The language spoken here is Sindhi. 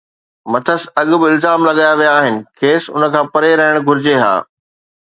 مٿس اڳ به الزام لڳايا ويا آهن، کيس ان کان پري رهڻ گهرجي ها